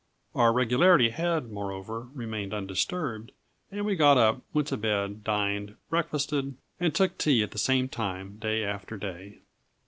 Our regularity had, moreover, remained undisturbed, and we got up, went to bed, dined, breakfasted, and took tea at the same time, day after day.